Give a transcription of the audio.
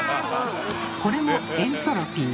これもエントロピー。